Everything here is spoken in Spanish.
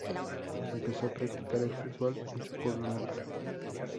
Empezó a practicar el fútbol en su pueblo natal.